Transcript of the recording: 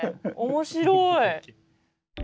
面白い。